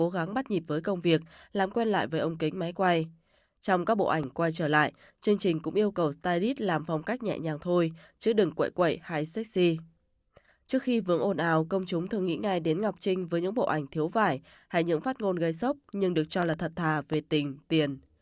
trước khi vướng ồn ào công chúng thường nghĩ ngay đến ngọc trinh với những bộ ảnh thiếu vải hay những phát ngôn gây sốc nhưng được cho là thật thà về tình tiền